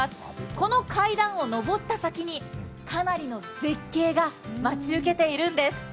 この階段を上った先に、かなりの絶景が待ち受けているんです。